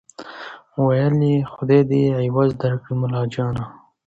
ویل خدای دي عوض درکړي ملاجانه